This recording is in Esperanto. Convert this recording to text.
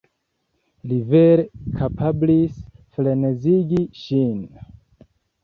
Li vere kapablis frenezigi ŝin.